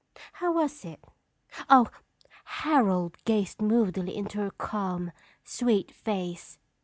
How was it? Oh! "Harold gazed moodily into her calm, sweet face.